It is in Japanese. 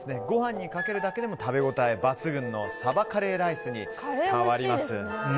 ご飯にかけるだけでも食べ応え抜群のサバカレーライスに変わります。